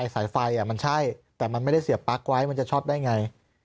สายไฟมันใช่แต่มันไม่ได้เสียบปลั๊กไว้มันจะช็อตได้ไง